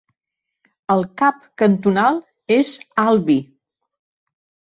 El cap cantonal és Albi.